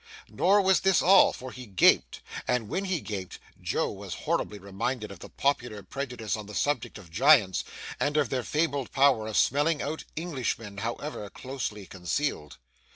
Nor was this all, for he gaped; and when he gaped, Joe was horribly reminded of the popular prejudice on the subject of giants, and of their fabled power of smelling out Englishmen, however closely concealed.